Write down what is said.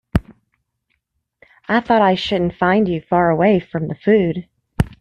I thought I shouldn't find you far away from the food.